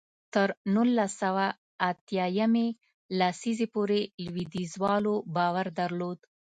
تر نولس سوه اتیا یمې لسیزې پورې لوېدیځوالو باور درلود.